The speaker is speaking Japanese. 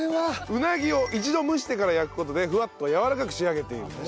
うなぎを一度蒸してから焼く事でフワッとやわらかく仕上げていると。